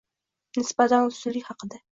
Nisbatan ustunlik haqida -